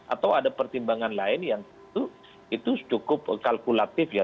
atau ada pertimbangan lain yang itu cukup kalkulatif ya